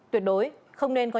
tuyệt đối không nên khóa